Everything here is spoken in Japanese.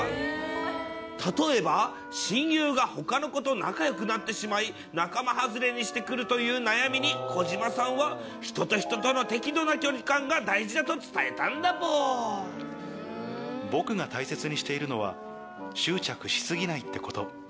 例えば、親友がほかの子と仲よくなってしまい、仲間外れにしてくるという悩みに小島さんは、人と人との適度な距離感が大事だと伝えたんだ僕が大切にしているのは、執着し過ぎないってこと。